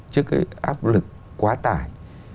trước cái áp lực quá tải